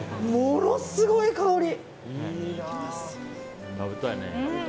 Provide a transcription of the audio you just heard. ものすごい香り！